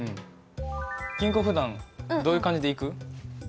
銀行はふだんどういう感じで行く？